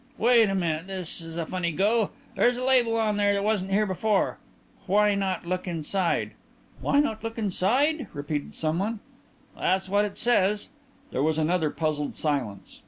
"Wait a minute. This is a funny go. There's a label on that wasn't here before. 'Why not look inside?'" "'Why not look inside?'" repeated someone. "That's what it says." There was another puzzled silence.